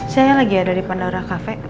saya lagi ada di pandora cafe